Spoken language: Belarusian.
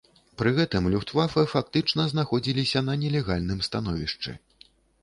Пры гэтым люфтвафэ фактычна знаходзіліся на нелегальным становішчы.